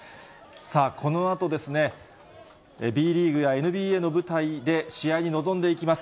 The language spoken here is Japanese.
さあ、このあとですね、ＢリーグやＮＢＡの舞台で試合に臨んでいきます。